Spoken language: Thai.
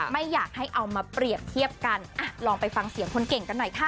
ไม่อยากให้เอามาเปรียบเทียบกันอ่ะลองไปฟังเสียงคนเก่งกันหน่อยค่ะ